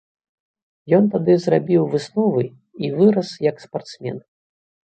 Ён тады зрабіў высновы і вырас як спартсмен.